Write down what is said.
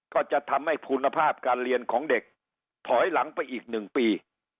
ก็จะทำให้คุณภาพการเรียนของเด็กถอยหลังไปอีก๑ปี